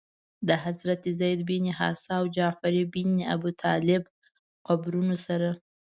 د حضرت زید بن حارثه او جعفر بن ابي طالب قبرونو سره.